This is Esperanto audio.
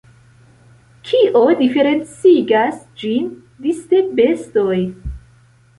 Kio diferencigas ĝin disde bestoj?